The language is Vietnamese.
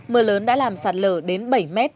mưa lớn đã làm sạt lở đến bảy mét